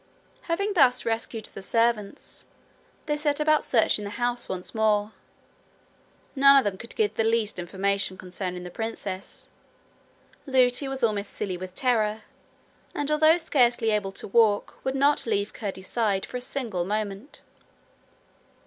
Having thus rescued the servants, they set about searching the house once more. None of them could give the least information concerning the princess. Lootie was almost silly with terror, and, although scarcely able to walk would not leave Curdie's side for a single moment.